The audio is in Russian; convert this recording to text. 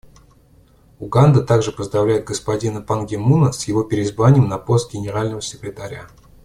Уганда также поздравляет господина Пан Ги Муна с его переизбранием на пост Генерального секретаря.